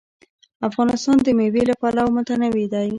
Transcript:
افغانستان د مېوې له پلوه متنوع دی.